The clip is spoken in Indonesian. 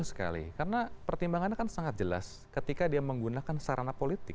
betul sekali karena pertimbangan kan sangat jelas ketika dia menggunakan hak politik